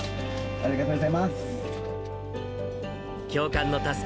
ありがとうございます。